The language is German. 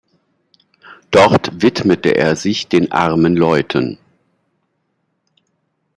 Dort widmete er sich den armen Leuten.